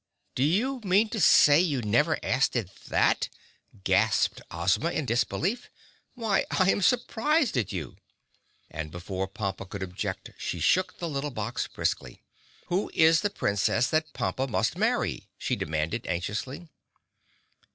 "Do you mean to say you never asked it that?" gasped Ozma in disbelief. "Why, I am surprised at you." And before Pompa could object she shook the little box briskly. "Who is the Princess that Pompa must marry?" she demanded anxiously.